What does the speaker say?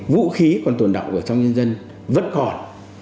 vũ khí còn tồn động ở trong nhân dân vẫn còn